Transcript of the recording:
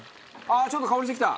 あっちょっと香りしてきた！